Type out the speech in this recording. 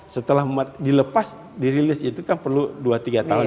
setelah dilepas dirilis itu kan perlu dua tiga tahun